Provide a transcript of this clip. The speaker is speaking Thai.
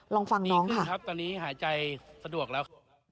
ลองฟังน้องดีครับตอนนี้หายใจสะดวกแล้ว